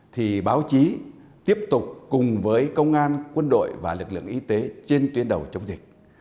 thì báo chí tiếp tục cùng với công an quân đội và lực lượng y tế trên tuyến đầu chống dịch